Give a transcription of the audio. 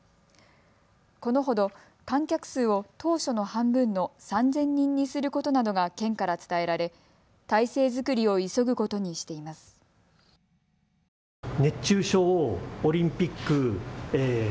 このほど観客数を当初の半分の３０００人にすることなどが県から伝えられ態勢作りを急ぐことにしています。